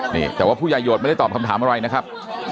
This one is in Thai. นี่แต่ว่าผู้ใหญ่โหดไม่ได้ตอบคำถามอะไรนะครับ